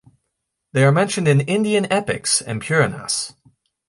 They are mentioned in Indian epics and Puranas.